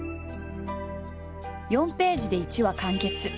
４ページで一話完結。